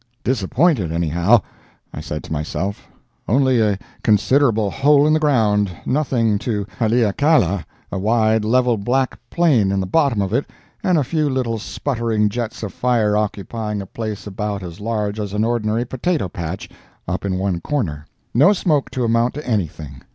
"Disappointed, anyhow!" I said to myself "Only a considerable hole in the ground—nothing to Haleakala—a wide, level, black plain in the bottom of it, and a few little sputtering jets of fire occupying a place about as large as an ordinary potato patch, up in one corner—no smoke to amount to anything.